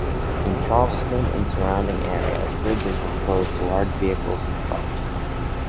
In Charleston and surrounding areas, bridges were closed to large vehicles and trucks.